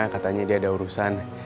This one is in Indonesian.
katanya dia ada urusan